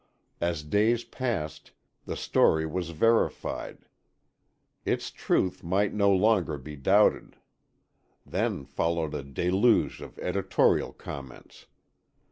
As days passed, the story was verified. Its truth might no longer be doubted. Then followed a deluge of editorial comments.